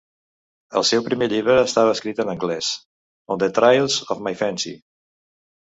El seu primer llibre estava escrit en anglès: On the Trails of my Fancy.